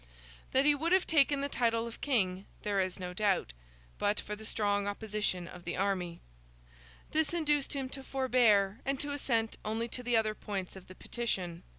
That he would have taken the title of King there is no doubt, but for the strong opposition of the army. This induced him to forbear, and to assent only to the other points of the petition.